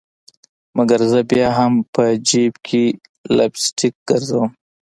مګر زه بیا هم په جیب کي لپ سټک ګرزوم